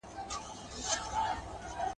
اوبه د لويه سره خړي دي.